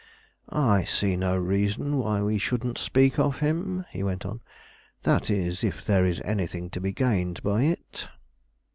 "I see no reason why we shouldn't speak of him," he went on; "that is, if there is anything to be gained by it."